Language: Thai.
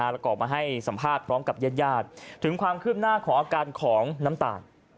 แล้วก็มาให้สัมภาษณ์พร้อมกับญาติถึงความคืบหน้าของอาการของน้ำตาล